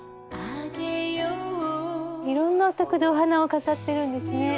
いろんなお宅でお花を飾ってるんですね。